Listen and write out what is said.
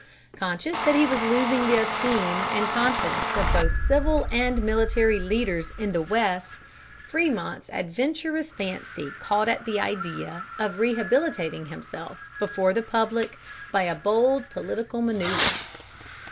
Conscious that he was losing the esteem and confidence of both civil and military leaders in the West, Frémont's adventurous fancy caught at the idea of rehabilitating himself before the public by a bold political manoeuver.